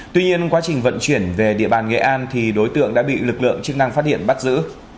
tuy nhiên quá trình vận chuyển về địa bàn nghệ an thì đối tượng đã bị lực lượng chức năng phát hiện bắt giữ